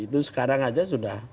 itu sekarang aja sudah